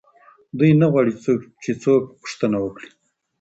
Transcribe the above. دوی نه غواړي چې څوک پوښتنه وکړي.